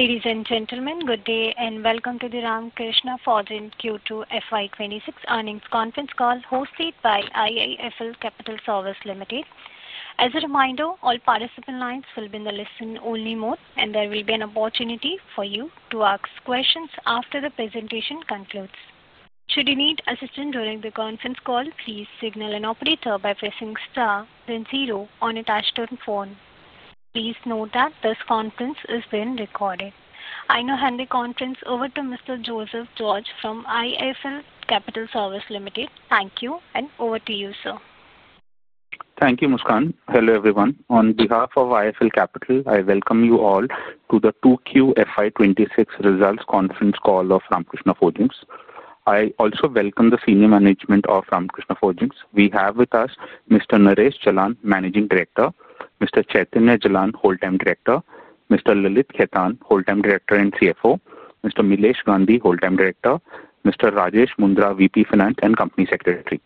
Ladies and gentlemen good day and welcome to the Ramkrishna Forgings Q2 FY 2026 earnings conference call hosted by IIFL Capital Securities Limited. As a reminder, all participant lines will be in the listen-only mode, and there will be an opportunity for you to ask questions after the presentation concludes. Should you need assistance during the conference call, please signal an operator by pressing star then zero on a touch-tone phone. Please note that this conference is being recorded. I now hand the conference over to Mr. Joseph George from IIFL Capital Securities Limited. Thank you, and over to you, sir. Thank you, Muskan. Hello, everyone. On behalf of IIFL Capital, I welcome you all to the Q2 FY 2026 results conference call of Ramkrishna Forgings. I also welcome the senior management of Ramkrishna Forgings. We have with us Mr. Naresh Jalan, Managing Director; Mr. Chaitanya Jalan, Whole Time Director; Mr. Lalit Khetan, Whole Time Director and CFO; Mr. Milesh Gandhi, Whole Time Director; Mr. Rajesh Mundhra, VP Finance and Company Secretary.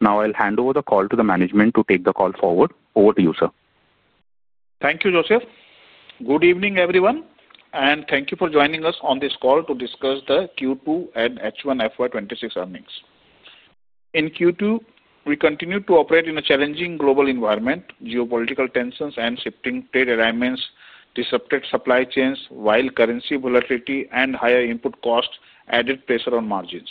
Now, I'll hand over the call to the management to take the call forward. Over to you, sir. Thank you, Joseph. Good evening, everyone, and thank you for joining us on this call to discuss the Q2 and H1 FY 2026 earnings. In Q2, we continued to operate in a challenging global environment. Geopolitical tensions and shifting trade alignments disrupted supply chains, while currency volatility and higher input costs added pressure on margins.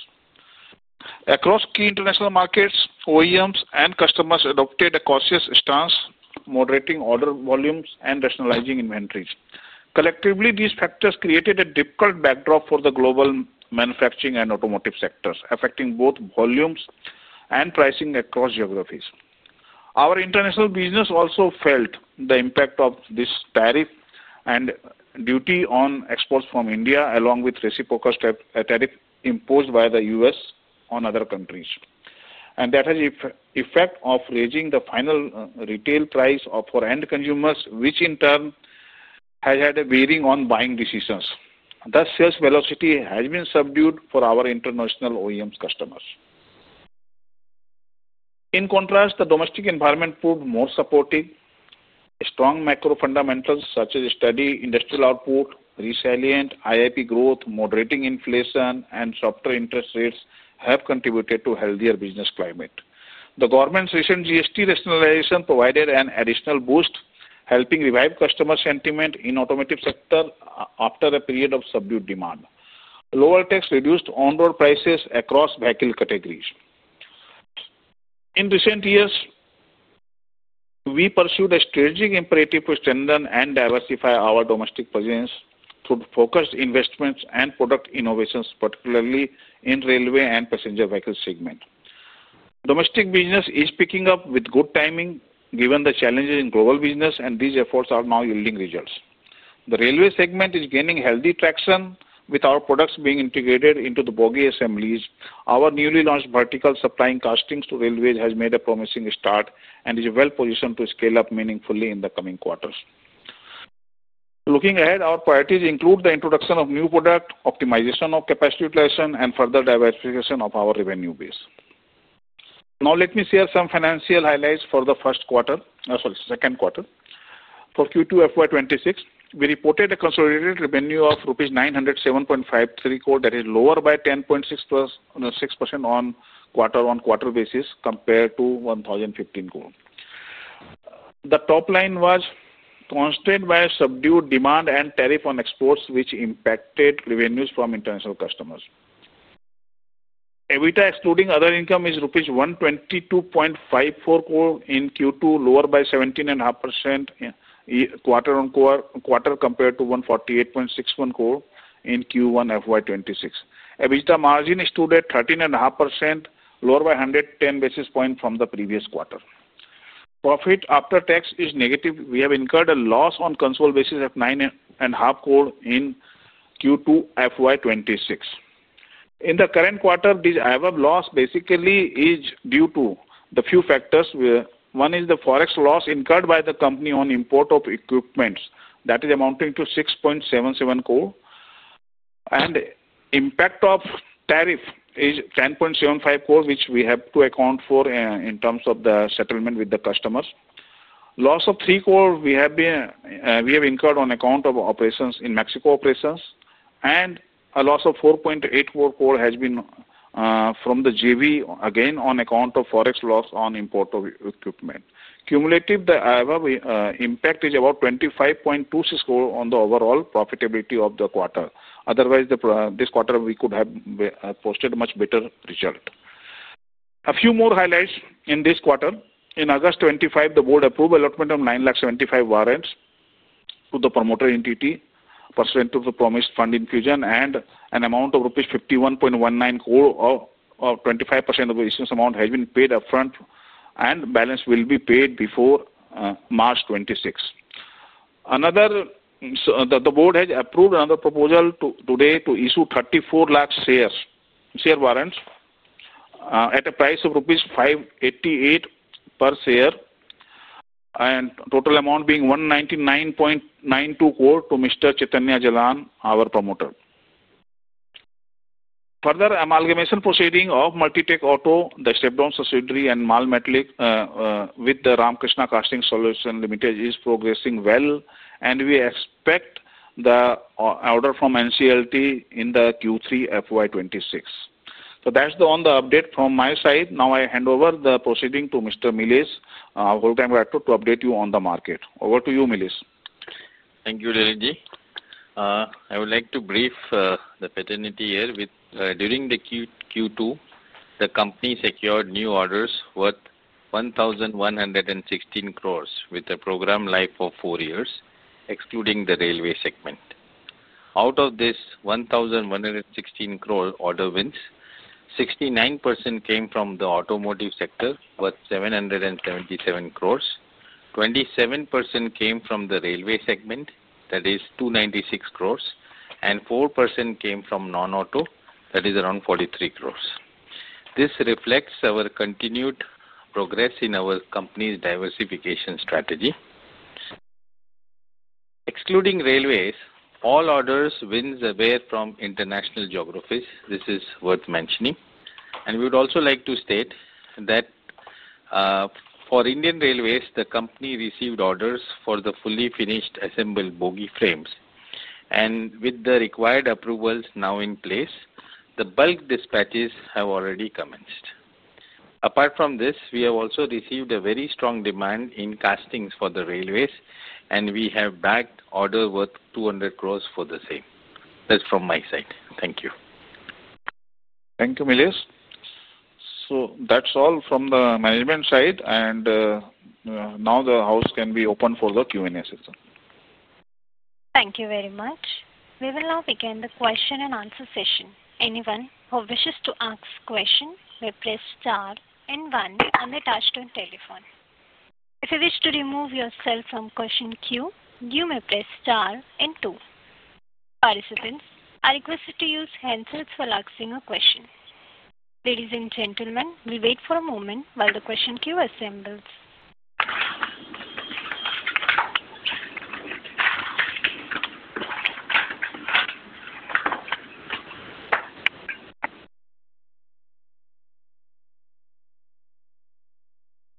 Across key international markets, OEMs and customers adopted a cautious stance, moderating order volumes and rationalizing inventories. Collectively, these factors created a difficult backdrop for the global manufacturing and automotive sectors, affecting both volumes and pricing across geographies. Our international business also felt the impact of this tariff and duty on exports from India, along with reciprocal tariffs imposed by the US on other countries. That has the effect of raising the final retail price for end consumers, which in turn has had a bearing on buying decisions. Thus, sales velocity has been subdued for our international OEMs' customers. In contrast, the domestic environment proved more supportive. Strong macro fundamentals such as steady industrial output, resilient IIP growth, moderating inflation, and softer interest rates have contributed to a healthier business climate. The government's recent GST rationalization provided an additional boost, helping revive customer sentiment in the automotive sector after a period of subdued demand. Lower tax reduced on-road prices across vehicle categories. In recent years, we pursued a strategic imperative to strengthen and diversify our domestic presence through focused investments and product innovations, particularly in the railway and passenger vehicle segment. Domestic business is picking up with good timing, given the challenges in global business, and these efforts are now yielding results. The railway segment is gaining healthy traction, with our products being integrated into the bogey assemblies. Our newly launched vertical supplying castings to railways has made a promising start and is well-positioned to scale up meaningfully in the coming quarters. Looking ahead, our priorities include the introduction of new products, optimization of capacity utilization, and further diversification of our revenue base. Now, let me share some financial highlights for the second quarter. For Q2 FY 2026, we reported a consolidated revenue of rupees 907.53 crore that is lower by 10.6% on quarter-on-quarter basis compared to 1,015 crore. The top line was constrained by subdued demand and tariff on exports, which impacted revenues from international customers. EBITDA excluding other income is rupees 122.54 crore in Q2, lower by 17.5% quarter-on-quarter compared to 148.61 crore in Q1 FY 2026. EBITDA margin is still at 13.5%, lower by 110 basis points from the previous quarter. Profit after tax is negative. We have incurred a loss on consolidated basis of 9.5 crore in Q2 FY 2026. In the current quarter, this IWAB loss basically is due to a few factors. One is the forex loss incurred by the company on import of equipment, that is amounting to 6.77 crore, and the impact of tariff is 10.75 crore, which we have to account for in terms of the settlement with the customers. Loss of 3 crore we have incurred on account of operations in Mexico operations, and a loss of 4.84 crore has been from the JV again on account of forex loss on import of equipment. Cumulative, the IWAB impact is about 25.26 crore on the overall profitability of the quarter. Otherwise, this quarter we could have posted a much better result. A few more highlights in this quarter. In August 25, the board approved the allotment of 975,000,000 to the promoter entity pursuant to the promised fund infusion, and an amount of rupees 51.19 crore of 25% of the issuance amount has been paid upfront, and balance will be paid before March 2026. The board has approved another proposal today to issue 3.4 million shares at a price of rupees 588 per share, and the total amount being 199.92 crore to Mr. Chaitanya Jalan, our promoter. Further, amalgamation proceeding of MultiTech Auto, the stepdown subsidiary, and Mal Metallics with Ramkrishna Casting Solutions Limited is progressing well, and we expect the order from NCLT in the Q3 FY 2026. That is the update from my side. Now, I hand over the proceeding to Mr. Milesh Gandhi, our Whole Time Director, to update you on the market. Over to you, Milesh. Thank you, Raranjit. I would like to brief the paternity here. During Q2, the company secured new orders worth 1,116 crore with a program life of four years, excluding the railway segment. Out of this 1,116 crore order wins, 69% came from the automotive sector worth 777 crore, 27% came from the railway segment, that is 296 crore, and 4% came from non-auto, that is around 43 crore. This reflects our continued progress in our company's diversification strategy. Excluding railways, all order wins were from international geographies. This is worth mentioning. We would also like to state that for Indian Railways, the company received orders for the fully finished assembled bogey frames, and with the required approvals now in place, the bulk dispatches have already commenced. Apart from this, we have also received a very strong demand in castings for the railways, and we have backed orders worth 200 crore for the same. That's from my side. Thank you. Thank you, Milesh. That is all from the management side, and now the house can be open for the Q&A session. Thank you very much. We will now begin the question and answer session. Anyone who wishes to ask a question may press star and one on the touch-tone telephone. If you wish to remove yourself from question queue, you may press star and two. Participants, I request you to use handsets while asking a question. Ladies and gentlemen, we'll wait for a moment while the question queue assembles.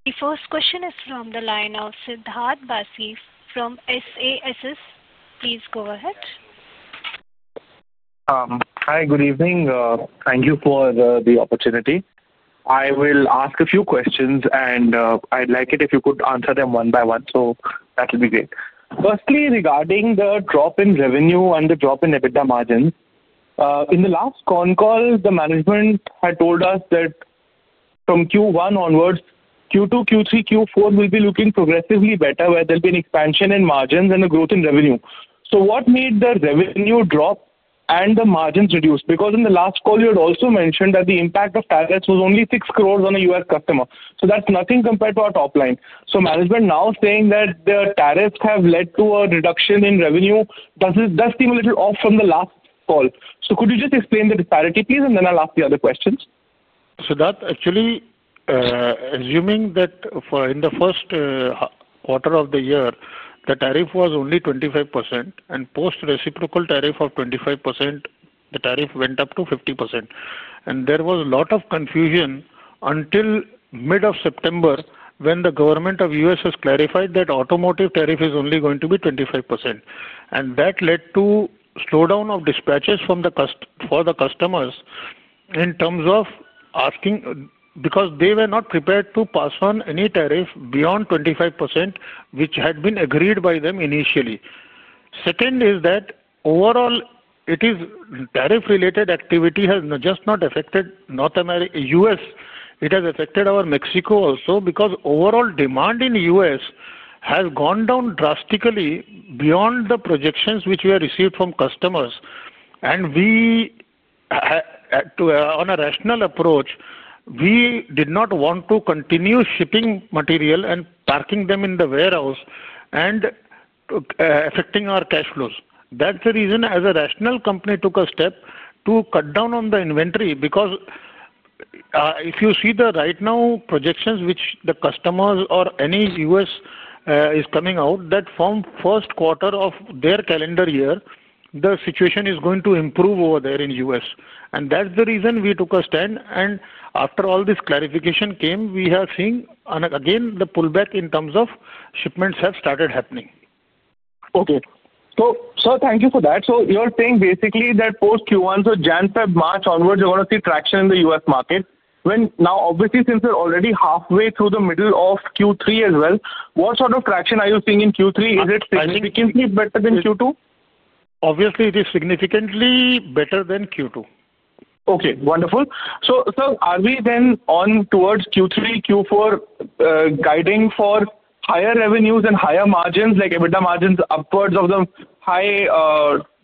The first question is from the line of Siddharth Basif from SASS. Please go ahead. Hi, good evening. Thank you for the opportunity. I will ask a few questions, and I'd like it if you could answer them one by one, so that would be great. Firstly, regarding the drop in revenue and the drop in EBITDA margins, in the last con call, the management had told us that from Q1 onwards, Q2, Q3, Q4 will be looking progressively better, where there will be an expansion in margins and a growth in revenue. What made the revenue drop and the margins reduce? Because in the last call, you had also mentioned that the impact of tariffs was only 60,000 on a US customer. That is nothing compared to our top line. Management now saying that the tariffs have led to a reduction in revenue, that seems a little off from the last call. Could you just explain the disparity, please? I'll ask the other questions. Siddharth, actually, assuming that in the first quarter of the year, the tariff was only 25%, and post-reciprocal tariff of 25%, the tariff went up to 50%. There was a lot of confusion until mid of September when the government of the U.S. has clarified that the automotive tariff is only going to be 25%. That led to a slowdown of dispatches for the customers in terms of asking because they were not prepared to pass on any tariff beyond 25%, which had been agreed by them initially. Second is that overall, this tariff-related activity has just not affected U.S. It has affected our Mexico also because overall demand in the U.S. has gone down drastically beyond the projections which we have received from customers. On a rational approach, we did not want to continue shipping material and parking them in the warehouse and affecting our cash flows. That is the reason as a rational company we took a step to cut down on the inventory because if you see the right now projections which the customers or any U.S. is coming out, that from the first quarter of their calendar year, the situation is going to improve over there in the U.S. That is the reason we took a stand. After all this clarification came, we have seen again the pullback in terms of shipments have started happening. Okay. So sir, thank you for that. So you're saying basically that post-Q1, so January-February-March onwards, you're going to see traction in the US market. Now, obviously, since we're already halfway through the middle of Q3 as well, what sort of traction are you seeing in Q3? Is it significantly better than Q2? Obviously, it is significantly better than Q2. Okay. Wonderful. So sir, are we then on towards Q3, Q4 guiding for higher revenues and higher margins, like EBITDA margins upwards of the high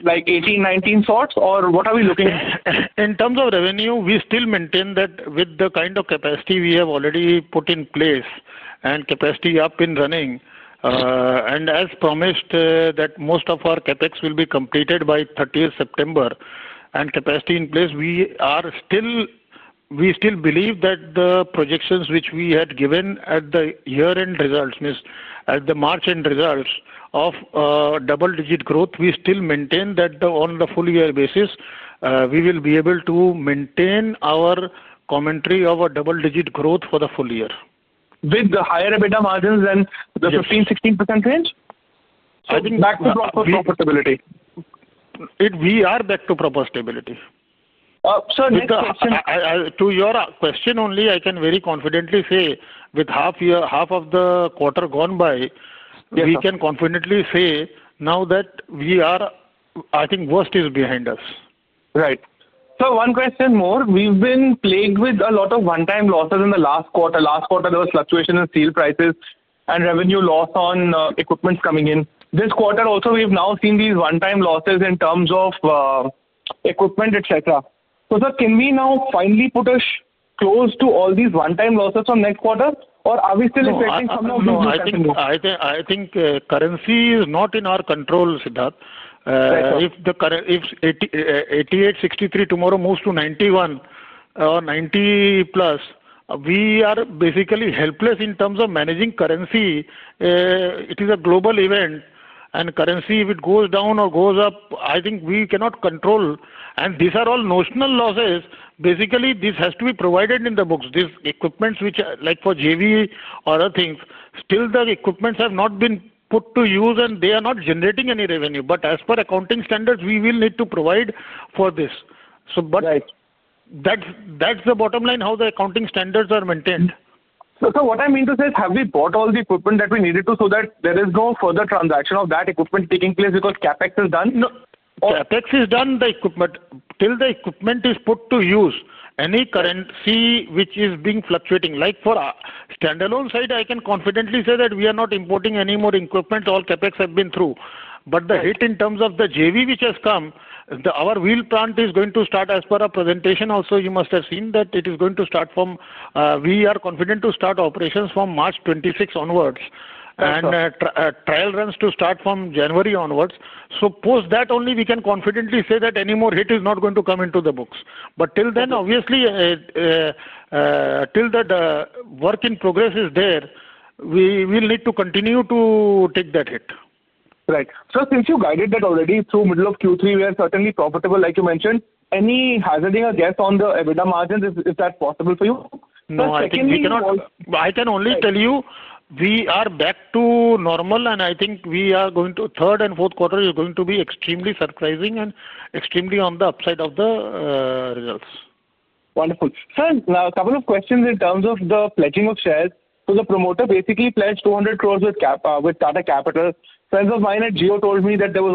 like 18, 19 sorts, or what are we looking? In terms of revenue, we still maintain that with the kind of capacity we have already put in place and capacity up and running. As promised, that most of our CapEx will be completed by 30 September and capacity in place, we still believe that the projections which we had given at the year-end results, at the March-end results of double-digit growth, we still maintain that on the full-year basis, we will be able to maintain our commentary of a double-digit growth for the full year. With the higher EBITDA margins in the 15%-16% range? I think back to proper stability. We are back to proper stability. Sir, next question. To your question only, I can very confidently say with half of the quarter gone by, we can confidently say now that we are, I think, worst is behind us. Right. Sir, one question more. We've been plagued with a lot of one-time losses in the last quarter. Last quarter, there was fluctuation in steel prices and revenue loss on equipment coming in. This quarter also, we've now seen these one-time losses in terms of equipment, etc. Sir, can we now finally put a close to all these one-time losses from next quarter, or are we still affecting some of the revenue? I think currency is not in our control, Siddharth. If 88.63 tomorrow moves to 91 or 90 plus, we are basically helpless in terms of managing currency. It is a global event, and currency, if it goes down or goes up, I think we cannot control. These are all notional losses. Basically, this has to be provided in the books. These equipments, like for JV or other things, still the equipments have not been put to use, and they are not generating any revenue. As per accounting standards, we will need to provide for this. That is the bottom line how the accounting standards are maintained. Sir, what I mean to say is, have we bought all the equipment that we needed to so that there is no further transaction of that equipment taking place because CapEx is done? No. CapEx is done. Till the equipment is put to use, any currency which is being fluctuating. Like for standalone side, I can confidently say that we are not importing any more equipment. All CapEx have been through. The hit in terms of the JV, which has come, our wheel plant is going to start as per our presentation. Also, you must have seen that it is going to start from, we are confident to start operations from March 2026 onwards, and trial runs to start from January onwards. Post that only, we can confidently say that any more hit is not going to come into the books. Till then, obviously, till the work in progress is there, we will need to continue to take that hit. Right. Sir, since you guided that already through middle of Q3, we are certainly profitable, like you mentioned. Any hazarding against on the EBITDA margins, if that's possible for you? No. I can only tell you we are back to normal, and I think we are going to third and fourth quarter is going to be extremely surprising and extremely on the upside of the results. Wonderful. Sir, now a couple of questions in terms of the pledging of shares. The promoter basically pledged 200 crore with Tata Capital. Friends of mine at Gio told me that there was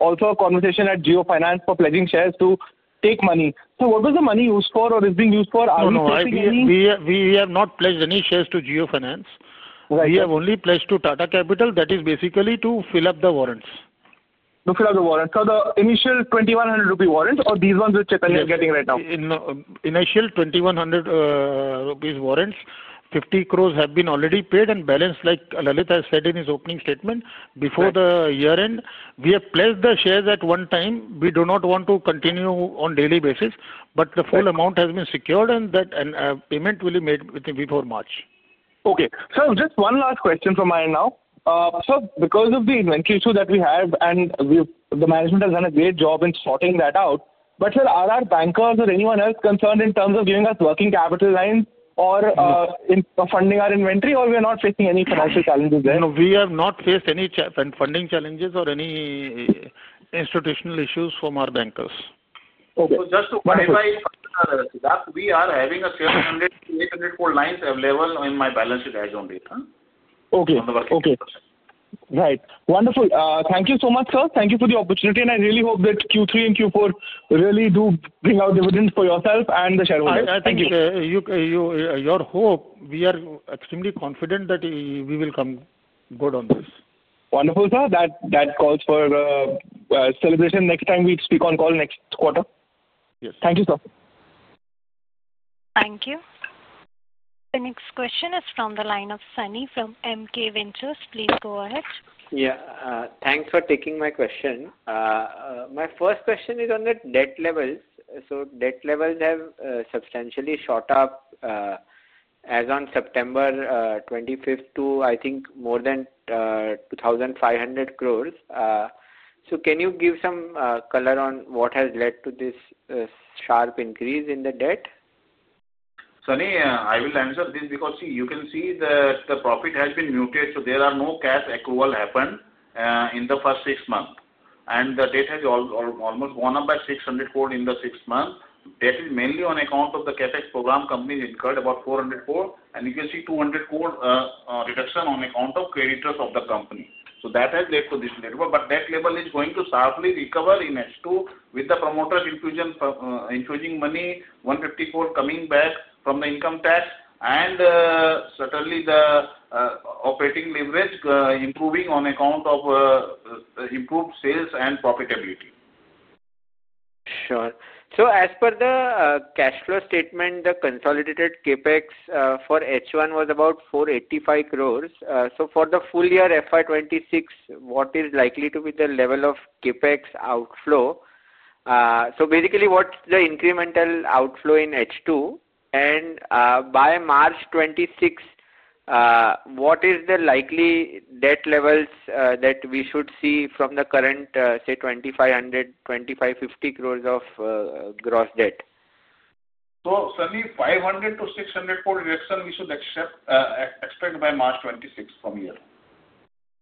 also a conversation at Gio Finance for pledging shares to take money. What was the money used for or is being used for? Are we still seeing any? We have not pledged any shares to Gio Finance. We have only pledged to Tata Capital. That is basically to fill up the warrants. To fill up the warrants. So the initial 2,100 rupee warrants or these ones which Chaitanya is getting right now? Initial 2,100 rupees warrants, 50 crore rupees have been already paid and balanced, like Lalit has said in his opening statement before the year-end. We have pledged the shares at one time. We do not want to continue on a daily basis, but the full amount has been secured, and payment will be made before March. Okay. Sir, just one last question from my end now. Sir, because of the inventory issue that we have, and the management has done a great job in sorting that out, but sir, are our bankers or anyone else concerned in terms of giving us working capital lines or funding our inventory, or are we not facing any financial challenges there? We have not faced any funding challenges or any institutional issues from our bankers. Okay. If I understand correctly, Siddharth, we are having an INR 700 crore-INR 800 crore lines available in my balance sheet as of late. Okay. Right. Wonderful. Thank you so much, sir. Thank you for the opportunity, and I really hope that Q3 and Q4 really do bring out dividends for yourself and the shareholders. Thank you. Your hope, we are extremely confident that we will come good on this. Wonderful, sir. That calls for celebration next time we speak on call next quarter. Yes. Thank you, sir. Thank you. The next question is from the line of Sunny from MK Ventures. Please go ahead. Yeah. Thanks for taking my question. My first question is on the debt levels. Debt levels have substantially shot up as of September 25th to, I think, more than 2,500 crore. Can you give some color on what has led to this sharp increase in the debt? Sunny, I will answer this because you can see that the profit has been muted. There are no cash accruals happened in the first six months. The debt has almost gone up by 600 crore in the six months. Debt is mainly on account of the CapEx program. Companies incurred about 400 crore. You can see 200 crore reduction on account of creditors of the company. That has led to this level. That level is going to sharply recover in H2 with the promoter infusing money, 150 crore coming back from the income tax, and certainly the operating leverage improving on account of improved sales and profitability. Sure. As per the cash flow statement, the consolidated CapEx for H1 was about 485 crore. For the full-year FY 2026, what is likely to be the level of CapEx outflow? Basically, what's the incremental outflow in H2? By March 2026, what is the likely debt levels that we should see from the current, say, 2,500-2,550 crore of gross debt? Sunny, 500 crore-600 crore reduction we should expect by March 2026 from here.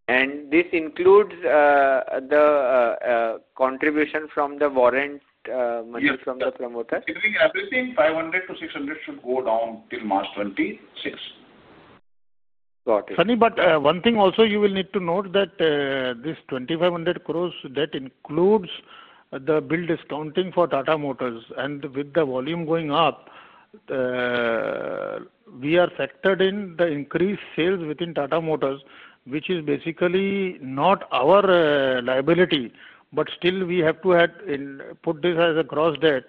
Does this include the contribution from the warrant money from the promoter? Yes. Between everything, 500-600 should go down till March 2026. Got it. Sunny, one thing also you will need to note is that this 2,500 crore debt includes the bill discounting for Tata Motors. With the volume going up, we have factored in the increased sales within Tata Motors, which is basically not our liability. Still, we have to put this as a gross debt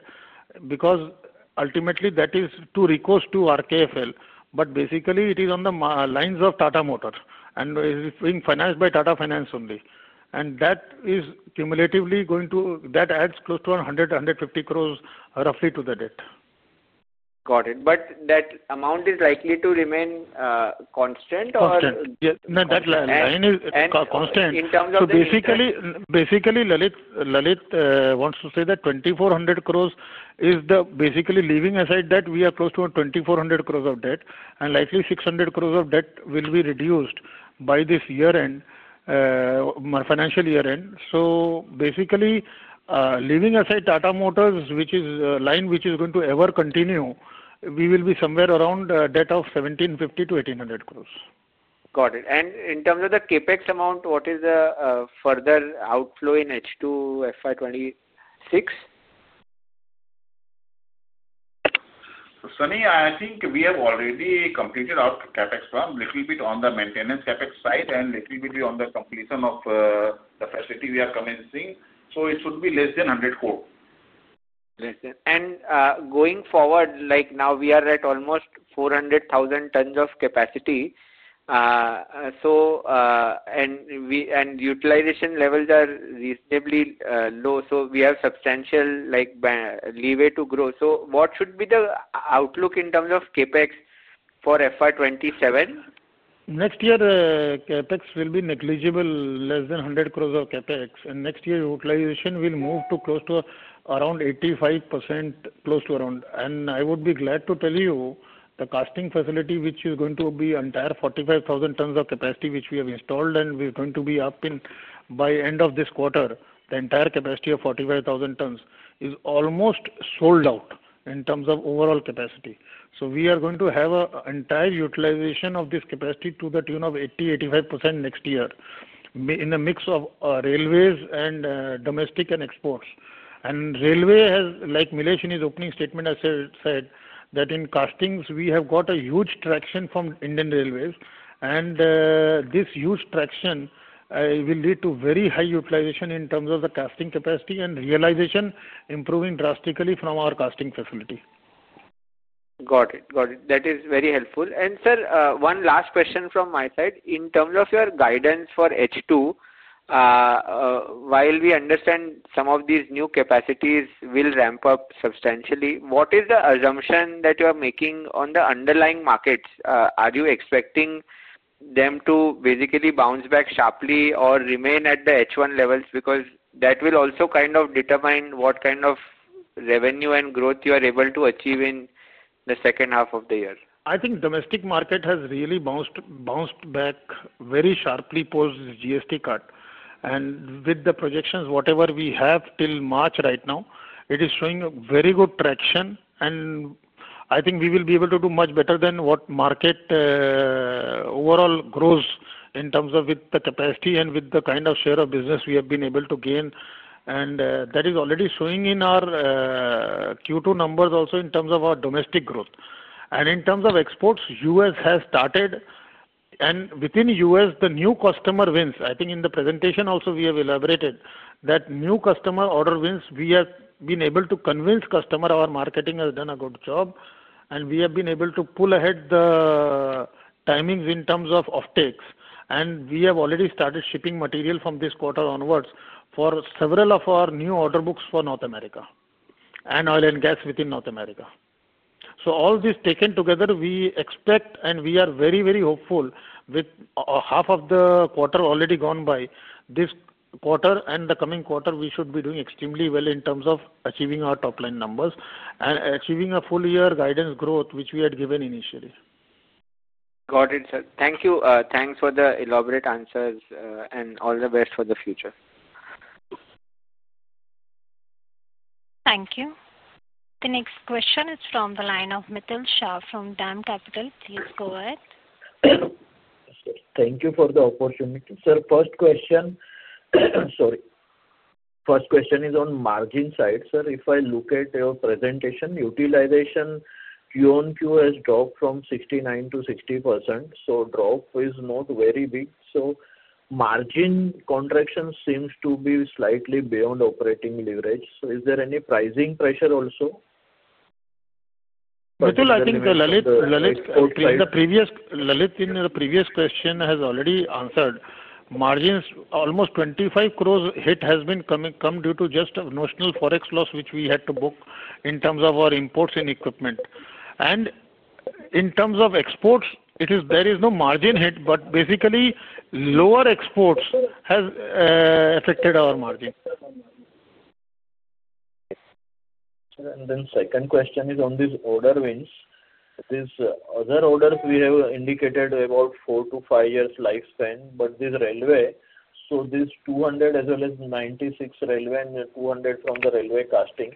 because ultimately that is too recoused to RKFL. Basically, it is on the lines of Tata Motors and is being financed by Tata Capital only. That is cumulatively going to add close to 100-150 crore roughly to the debt. Got it. Is that amount likely to remain constant or? Constant. That line is constant. Basically, Lalit wants to say that 2,400 crore is basically leaving aside that we are close to 2,400 crore of debt, and likely 600 crore of debt will be reduced by this year-end, financial year-end. Basically, leaving aside Tata Motors, which is a line which is going to ever continue, we will be somewhere around a debt of 1,750- 1,800 crore. Got it. In terms of the CapEx amount, what is the further outflow in H2 FY 2026? Sunny, I think we have already completed our CapEx from a little bit on the maintenance CapEx side and a little bit on the completion of the facility we are commencing. It should be less than 100 crore. Less than. Going forward, like now we are at almost 400,000 tons of capacity. Utilization levels are reasonably low, so we have substantial leeway to grow. What should be the outlook in terms of CapEx for FY 2027? Next year, CapEx will be negligible, less than 100 crore of CapEx. Next year, utilization will move to close to around 85%, close to around. I would be glad to tell you the casting facility, which is going to be an entire 45,000 tons of capacity which we have installed, and we are going to be up in by end of this quarter, the entire capacity of 45,000 tons is almost sold out in terms of overall capacity. We are going to have an entire utilization of this capacity to the tune of 80%-85% next year in a mix of railways and domestic and exports. Railway has, like Milesh in his opening statement has said, that in castings, we have got a huge traction from Indian Railways. This huge traction will lead to very high utilization in terms of the casting capacity and realization improving drastically from our casting facility. Got it. Got it. That is very helpful. Sir, one last question from my side. In terms of your guidance for H2, while we understand some of these new capacities will ramp up substantially, what is the assumption that you are making on the underlying markets? Are you expecting them to basically bounce back sharply or remain at the H1 levels? That will also kind of determine what kind of revenue and growth you are able to achieve in the second half of the year. I think domestic market has really bounced back very sharply post GST cut. With the projections, whatever we have till March right now, it is showing very good traction. I think we will be able to do much better than what market overall grows in terms of with the capacity and with the kind of share of business we have been able to gain. That is already showing in our Q2 numbers also in terms of our domestic growth. In terms of exports, US has started. Within US, the new customer wins. I think in the presentation also, we have elaborated that new customer order wins. We have been able to convince customer our marketing has done a good job. We have been able to pull ahead the timings in terms of offtakes. We have already started shipping material from this quarter onwards for several of our new order books for North America and oil and gas within North America. All this taken together, we expect and we are very, very hopeful with half of the quarter already gone by this quarter and the coming quarter, we should be doing extremely well in terms of achieving our top-line numbers and achieving a full-year guidance growth, which we had given initially. Got it, sir. Thank you. Thanks for the elaborate answers and all the best for the future. Thank you. The next question is from the line of Mithil Shah from DAM Capital. Please go ahead. Thank you for the opportunity. Sir, first question, sorry. First question is on margin side, sir. If I look at your presentation, utilization Q1, Q2 has dropped from 69%-60%. So drop is not very big. So margin contraction seems to be slightly beyond operating leverage. Is there any pricing pressure also? Mithil, I think Lalit in the previous question has already answered. Margins, almost 250 million hit has come due to just a notional forex loss which we had to book in terms of our imports and equipment. In terms of exports, there is no margin hit, but basically lower exports have affected our margin. Then second question is on these order wins. This other orders we have indicated about four to five years lifespan, but this railway, so this 200 as well as 96 railway and 200 from the railway casting,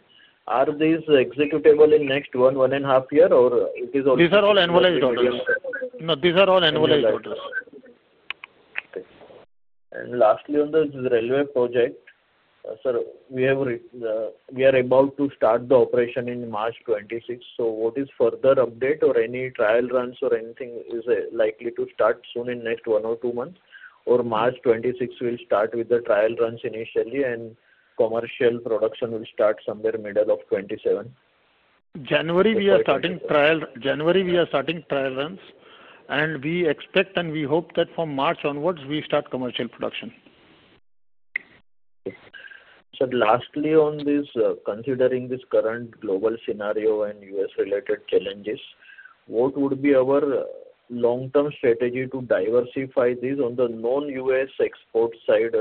are these executable in next one, one and a half year or it is all? These are all annualized orders. Lastly, on the railway project, sir, we are about to start the operation in March 2026. What is further update or any trial runs or anything is likely to start soon in next one or two months? Or March 2026 will start with the trial runs initially and commercial production will start somewhere middle of 2027? January, we are starting trial runs. We expect and we hope that from March onwards, we start commercial production. Sir, lastly on this, considering this current global scenario and U.S.-related challenges, what would be our long-term strategy to diversify this on the non-U.S. export side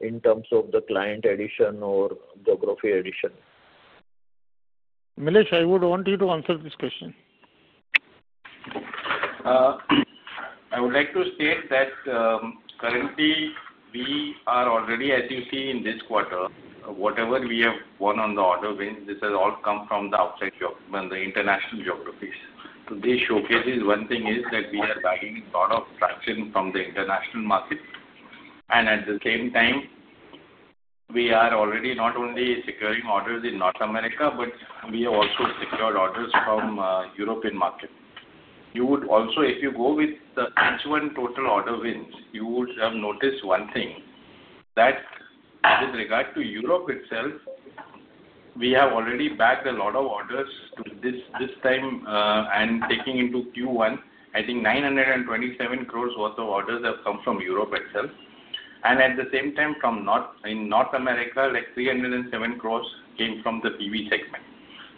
in terms of the client addition or geography addition? Milesh, I would want you to answer this question. I would like to state that currently, we are already, as you see in this quarter, whatever we have won on the order wins, this has all come from the outside geography and the international geographies. This showcases one thing is that we are buying a lot of traction from the international market. At the same time, we are already not only securing orders in North America, but we have also secured orders from the European market. You would also, if you go with the H1 total order wins, you would have noticed one thing that with regard to Europe itself, we have already backed a lot of orders this time and taking into Q1, I think 927 crore worth of orders have come from Europe itself. At the same time, from North America, like 307 crore came from the PV segment.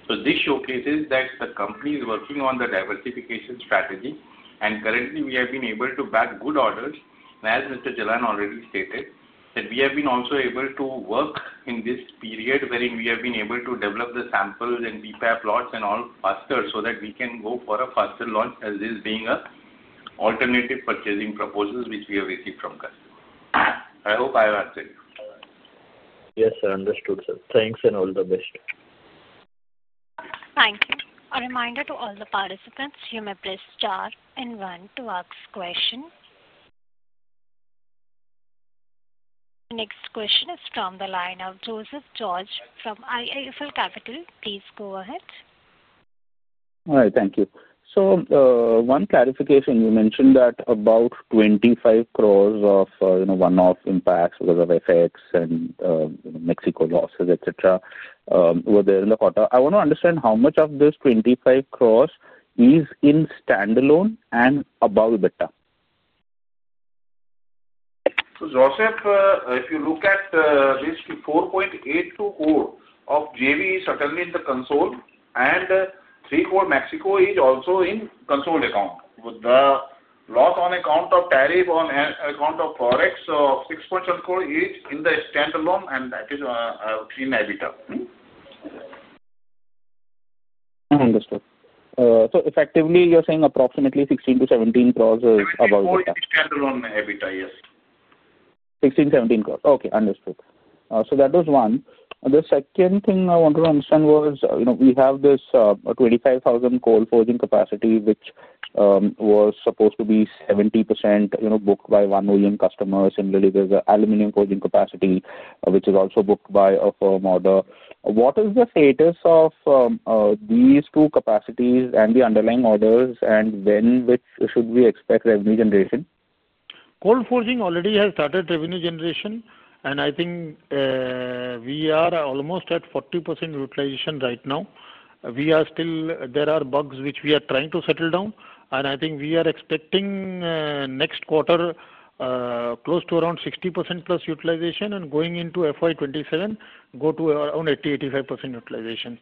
This showcases that the company is working on the diversification strategy. Currently, we have been able to back good orders. As Mr. Jalan already stated, we have also been able to work in this period wherein we have been able to develop the samples and BPAP lots and all faster so that we can go for a faster launch, as this is an alternative purchasing proposal which we have received from customers. I hope I have answered you. Yes, sir. Understood, sir. Thanks and all the best. Thank you. A reminder to all the participants, you may press star and one to ask question. The next question is from the line of Joseph George from IIFL Capital. Please go ahead. All right. Thank you. So one clarification, you mentioned that about 250 million of one-off impacts because of FX and Mexico losses, etc., were there in the quarter. I want to understand how much of this 250 million is in standalone and above EBITDA. Joseph, if you look at this 4.82 crore of JV certainly in the console, and 3 crore Mexico is also in console account. The loss on account of tariff on account of forex of 6.7 crore is in the standalone, and that is in EBITDA. Understood. So effectively, you're saying approximately 16 crore-17 crore is above EBITDA? Above standalone EBITDA, yes. crore, 17 crore. Okay. Understood. That was one. The second thing I wanted to understand was we have this 25,000 cold forging capacity, which was supposed to be 70% booked by one million customers. Similarly, there is an aluminum forging capacity, which is also booked by a firm order. What is the status of these two capacities and the underlying orders, and when should we expect revenue generation? Cold forging already has started revenue generation. I think we are almost at 40% utilization right now. There are bugs which we are trying to settle down. I think we are expecting next quarter close to around 60%+ utilization and going into FY 2027, go to around 80%-85% utilization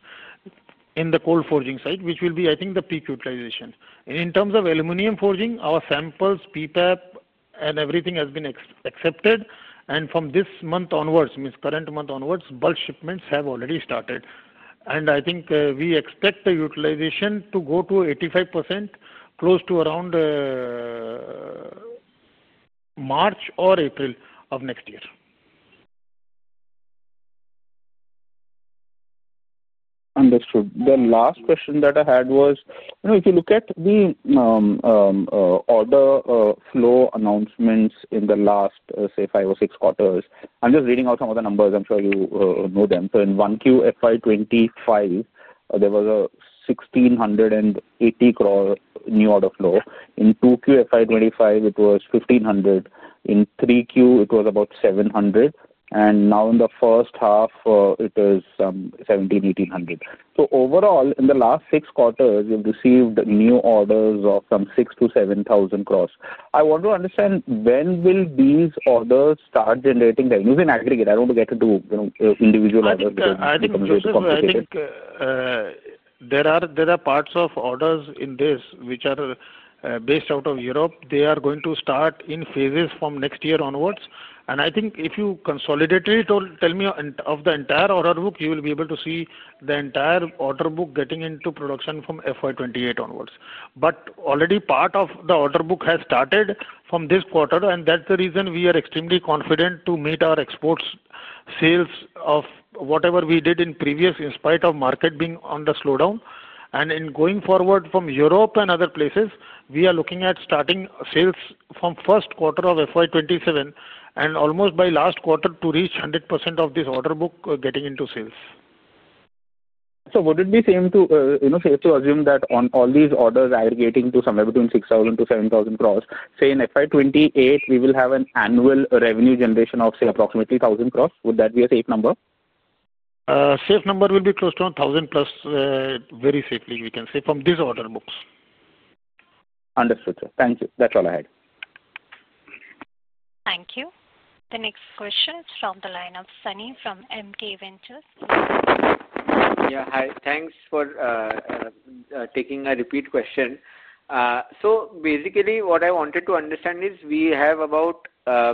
in the cold forging side, which will be, I think, the peak utilization. In terms of aluminum forging, our samples, PPAP, and everything has been accepted. From this month onwards, means current month onwards, bulk shipments have already started. I think we expect the utilization to go to 85% close to around March or April of next year. Understood. The last question that I had was, if you look at the order flow announcements in the last, say, five or six quarters, I'm just reading out some of the numbers. I'm sure you know them. In 1Q FY 2025, there was an 1,680 crore new order flow. In 2Q FY 2025, it was 1,500 crore. In 3Q, it was about 700 crore. Now in the first half, it is 1,700-1,800 crore. Overall, in the last six quarters, we've received new orders of some 6,000-7,000 crore. I want to understand when will these orders start generating revenue in aggregate? I don't want to get into individual orders because the revenue is complicated. I think there are parts of orders in this which are based out of Europe. They are going to start in phases from next year onwards. I think if you consolidate it or tell me of the entire order book, you will be able to see the entire order book getting into production from FY 2028 onwards. Already part of the order book has started from this quarter. That is the reason we are extremely confident to meet our exports sales of whatever we did in previous in spite of market being on the slowdown. In going forward from Europe and other places, we are looking at starting sales from first quarter of FY 2027 and almost by last quarter to reach 100% of this order book getting into sales. Would it be safe to say, to assume that on all these orders aggregating to somewhere between 6,000 crore-7,000 crore, say in FY 2028, we will have an annual revenue generation of, say, approximately 1,000 crore? Would that be a safe number? Safe number will be close to 1,000 plus, very safely we can say, from these order books. Understood, sir. Thank you. That's all I had. Thank you. The next question is from the line of Sunny from MK Ventures. Yeah. Hi. Thanks for taking a repeat question. Basically, what I wanted to understand is we have about,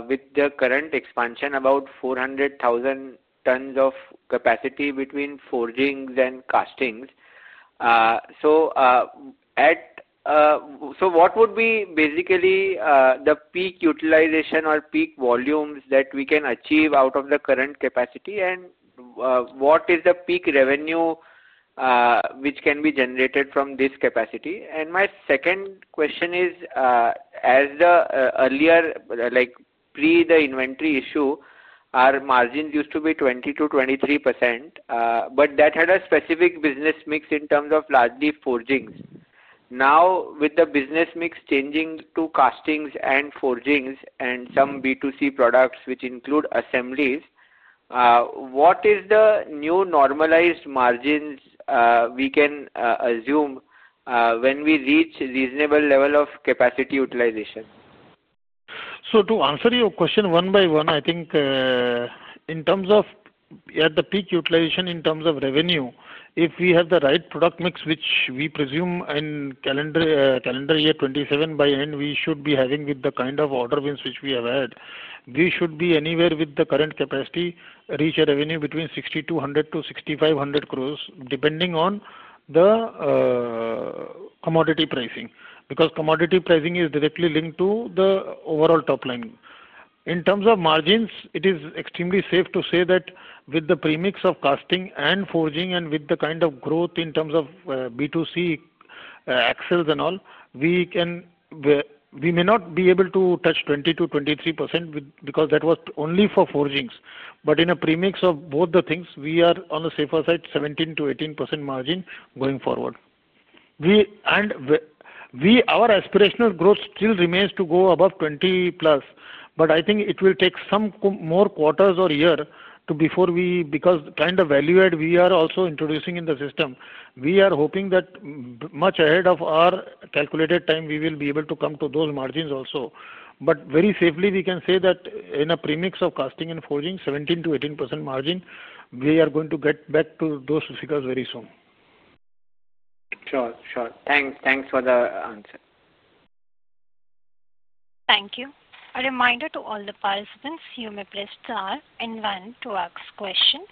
with the current expansion, about 400,000 tons of capacity between forgings and castings. What would be basically the peak utilization or peak volumes that we can achieve out of the current capacity? What is the peak revenue which can be generated from this capacity? My second question is, as the earlier, pre the inventory issue, our margins used to be 20-23%, but that had a specific business mix in terms of largely forgings. Now, with the business mix changing to castings and forgings and some B2C products which include assemblies, what is the new normalized margins we can assume when we reach reasonable level of capacity utilization? To answer your question one by one, I think in terms of at the peak utilization in terms of revenue, if we have the right product mix, which we presume in calendar year 2027 by end, we should be having with the kind of order wins which we have had, we should be anywhere with the current capacity reach a revenue between 6,200 crore-6,500 crore, depending on the commodity pricing. Because commodity pricing is directly linked to the overall top line. In terms of margins, it is extremely safe to say that with the premix of casting and forging and with the kind of growth in terms of B2C axles and all, we may not be able to touch 20%-23% because that was only for forgings. In a premix of both the things, we are on the safer side, 17%-18% margin going forward. Our aspirational growth still remains to go above 20% plus. I think it will take some more quarters or years before we, because kind of value add we are also introducing in the system, we are hoping that much ahead of our calculated time, we will be able to come to those margins also. Very safely, we can say that in a premix of casting and forging, 17%-18% margin, we are going to get back to those figures very soon. Sure. Sure. Thanks for the answer. Thank you. A reminder to all the participants, you may press star and one to ask question.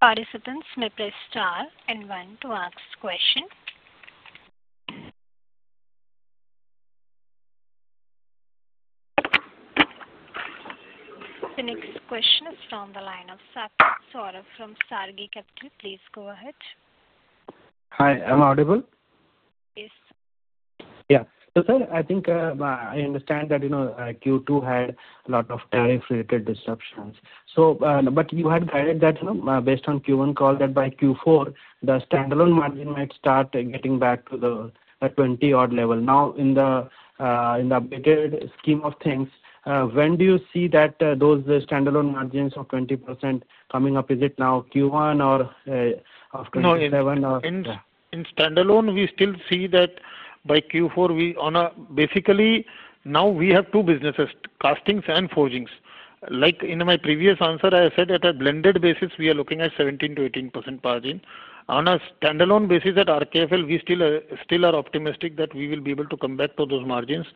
Participants may press star and one to ask question. The next question is from the line of Sargans. So, from Sargi Capital, please go ahead. Hi. Am I audible? Yes. Yeah. Sir, I think I understand that Q2 had a lot of tariff-related disruptions. You had guided that based on Q1 call that by Q4, the standalone margin might start getting back to the 20-odd level. Now, in the updated scheme of things, when do you see that those standalone margins of 20% coming up? Is it now Q1 of 2027 or? In standalone, we still see that by Q4, basically, now we have two businesses, castings and forgings. Like in my previous answer, I said at a blended basis, we are looking at 17-18% margin. On a standalone basis at RKFL, we still are optimistic that we will be able to come back to those margins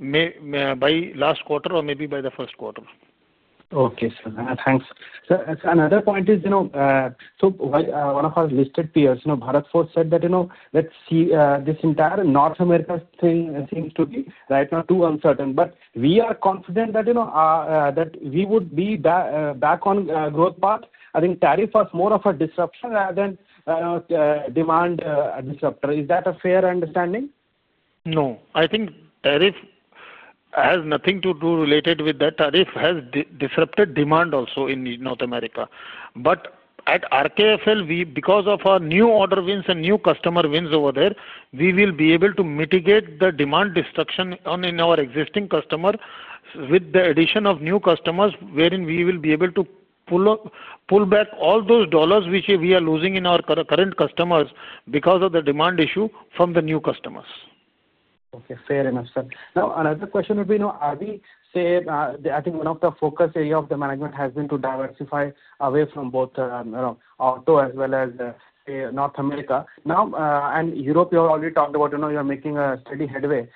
by last quarter or maybe by the first quarter. Okay, sir. Thanks. Sir, another point is, so one of our listed peers, Bharat Forge, said that this entire North America thing seems to be right now too uncertain. But we are confident that we would be back on a growth path. I think tariff was more of a disruption rather than demand disruptor. Is that a fair understanding? No. I think tariff has nothing to do related with that. Tariff has disrupted demand also in North America. At RKFL, because of our new order wins and new customer wins over there, we will be able to mitigate the demand destruction on our existing customer with the addition of new customers, wherein we will be able to pull back all those dollars which we are losing in our current customers because of the demand issue from the new customers. Okay. Fair enough, sir. Now, another question would be, are we, say, I think one of the focus areas of the management has been to diversify away from both auto as well as, say, North America. Now, and Europe, you already talked about you're making a steady headway.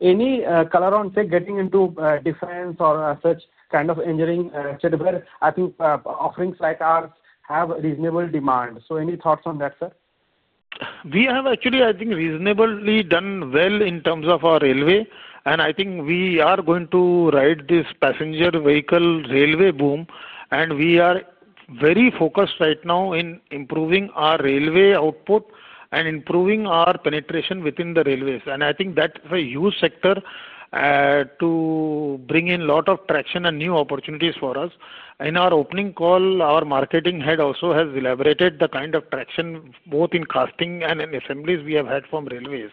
Any color on, say, getting into defense or such kind of engineering, Chetan, where I think offerings like ours have reasonable demand. Any thoughts on that, sir? We have actually, I think, reasonably done well in terms of our railway. I think we are going to ride this passenger vehicle railway boom. We are very focused right now in improving our railway output and improving our penetration within the railways. I think that is a huge sector to bring in a lot of traction and new opportunities for us. In our opening call, our Marketing Head also has elaborated the kind of traction both in casting and in assemblies we have had from railways.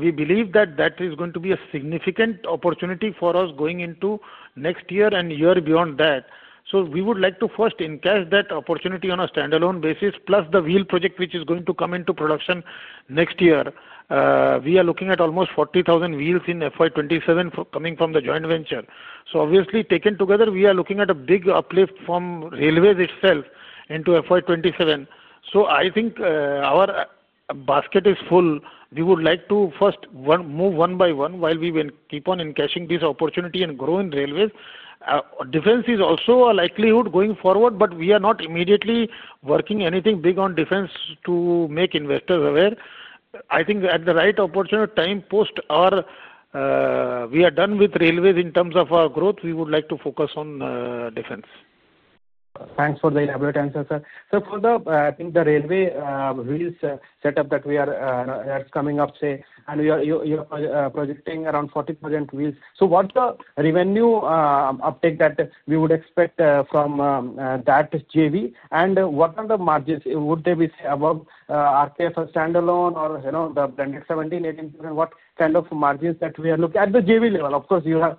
We believe that that is going to be a significant opportunity for us going into next year and the year beyond that. We would like to first encash that opportunity on a standalone basis, plus the wheel project which is going to come into production next year. We are looking at almost 40,000 wheels in FY 2027 coming from the joint venture. Obviously, taken together, we are looking at a big uplift from railways itself into FY 2027. I think our basket is full. We would like to first move one by one while we keep on encashing this opportunity and grow in railways. Defense is also a likelihood going forward, but we are not immediately working anything big on defense to make investors aware. I think at the right opportunity time, post our we are done with railways in terms of our growth, we would like to focus on defense. Thanks for the elaborate answer, sir. For the, I think, the railway wheels setup that we are, that's coming up, and you're projecting around 40% wheels. What's the revenue uptake that we would expect from that JV? What are the margins? Would they be above RKFL standalone or the blended 17%-18%? What kind of margins are we looking at the JV level? Of course, you are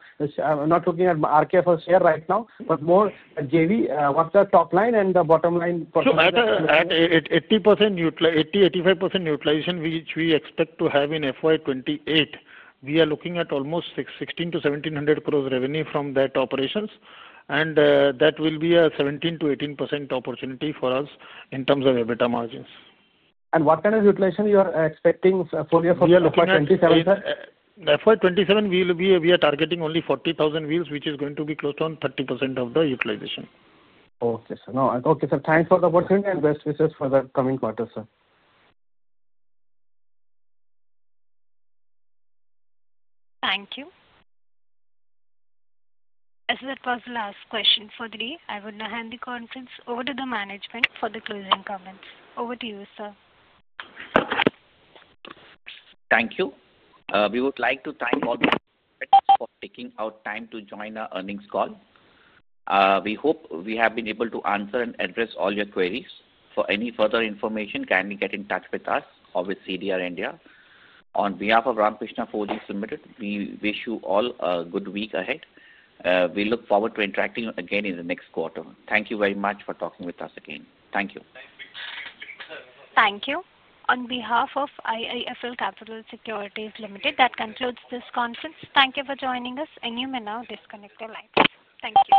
not looking at RKFL share right now, but more JV. What's the top line and the bottom line for? At 80%-85% utilization, which we expect to have in FY 2028, we are looking at almost 1,600 crore-1,700 crore revenue from that operations. That will be a 17%-18% opportunity for us in terms of EBITDA margins. What kind of utilization are you expecting for year 2027, sir? FY 2027, we are targeting only 40,000 wheels, which is going to be close to 30% of the utilization. Okay, sir. Thanks for the opportunity and best wishes for the coming quarter, sir. Thank you. As the first last question for the day, I would now hand the conference over to the management for the closing comments. Over to you, sir. Thank you. We would like to thank all the participants for taking out time to join our earnings call. We hope we have been able to answer and address all your queries. For any further information, kindly get in touch with us or with CDR India. On behalf of Ramkrishna Forgings Limited, we wish you all a good week ahead. We look forward to interacting again in the next quarter. Thank you very much for talking with us again. Thank you. Thank you. On behalf of IIFL Capital Securities Limited, that concludes this conference. Thank you for joining us. You may now disconnect the line. Thank you.